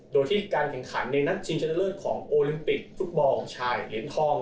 โดยที่การแข่งขันในชีมจันเจอร์เลอร์ชของโอลิมปิตฟุตบอลชายเหลียนทอง